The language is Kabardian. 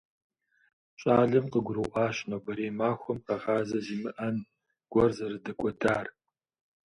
Щӏалэм къыгурыӀуащ нобэрей махуэм къэгъазэ зимыӀэн гуэр зэрыдэкӀуэдар.